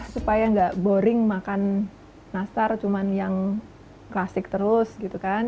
supaya nggak boring makan nastar cuma yang klasik terus gitu kan